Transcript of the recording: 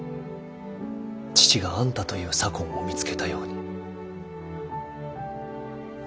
父があんたという左近を見つけたように。